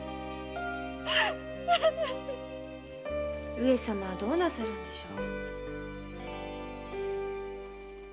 上様はどうなさるのでしょう？